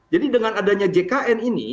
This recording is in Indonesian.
jadi dengan adanya jkn ini